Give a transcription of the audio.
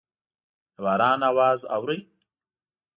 د باران اواز اورئ